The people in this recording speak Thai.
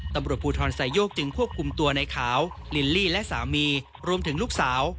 ตำรวจภูทรไซโยกจึงควบคุมตัวในขาวลิลลี่และสามีรวมถึงลูกสาว